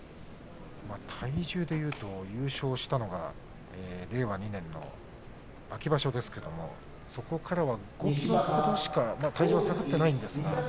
体重でいうと優勝したのは令和２年の秋場所ですけれどもそこからは５ｋｇほどしか体重は下がっていないんですが。